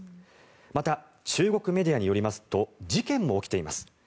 また、中国メディアによりますと事件も起きています。